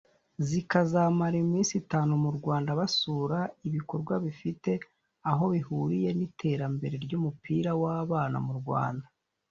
zikazamara iminsi itanu mu Rwanda basura ibikorwa bifite aho bihuriye n’iterambere ry’umupira w’abana mu Rwanda